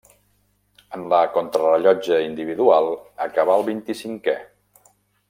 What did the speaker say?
En la contrarellotge individual acabà el vint-i-cinquè.